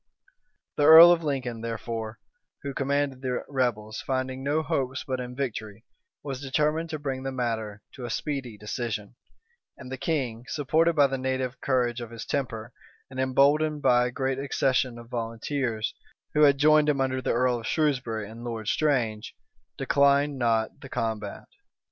The earl of Lincoln, therefore, who commanded the rebels, finding no hopes but in victory, was determined to bring the matter to a speedy decision; and the king, supported by the native courage of his temper, and emboldened by a great accession of volunteers, who had joined him under the earl of Shrewsbury and Lord Strange, declined not the combat.